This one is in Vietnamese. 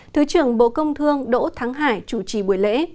thứ trưởng bộ công thương đỗ thắng hải chủ trì buổi lễ